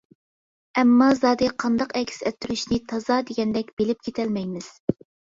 ئەمما زادى قانداق ئەكس ئەتتۈرۈشنى تازا دېگەندەك بىلىپ كېتەلمەيمىز.